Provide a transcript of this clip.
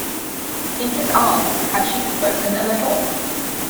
In his arms had she spoken a little?